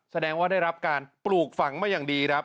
แสดงว่าได้รับการปลูกฝังมาอย่างดีครับ